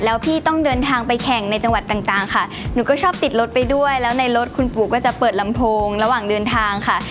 แล้วพี่ต้องเดินทางไปแข่งในจังหวัดต่างค่ะหนูก็ชอบติดรถไปด้วยแล้วในรถคุณปู่ก็จะเปิดลำโพงระหว่างเดินทางค่ะ